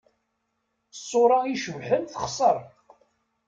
Ṣṣura i icebḥen texṣer.